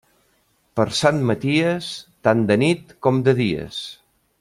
Per Sant Maties, tant de nit com de dies.